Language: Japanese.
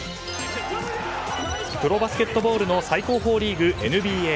プロバスケットボールの最高峰リーグＮＢＡ。